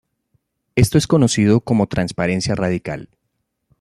Esto es conocido como transparencia radical.